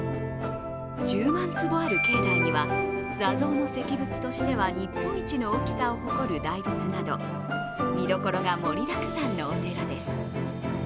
１０万坪ある境内には座像の石仏としては日本一の大きさを誇る大仏など見どころが盛りだくさんのお寺です。